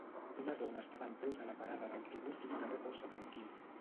Una dona està dempeus a la parada d'autobús d'un carrer força tranquil.